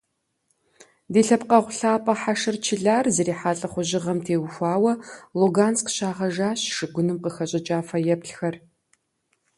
Ди лъэпкъэгъу лъапӀэ Хьэшыр Чылар зэрихьа лӀыхъужьыгъэм теухуауэ Луганск щагъэжащ шыгуным къыхэщӀыкӀа фэеплъхэр.